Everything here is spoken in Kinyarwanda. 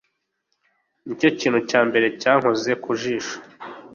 Nicyo kintu cya mbere cyankoze ku jisho